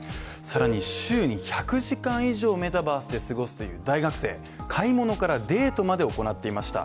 さらに週に１００時間以上をメタバースで過ごすという大学生買い物からデートまで行っていました。